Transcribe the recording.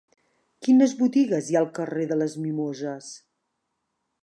Quines botigues hi ha al carrer de les Mimoses?